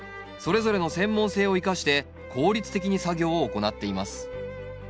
それぞれの専門性を生かして効率的に作業を行っています。